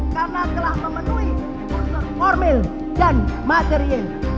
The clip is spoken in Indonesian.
karena telah memenuhi unsur formil dan materi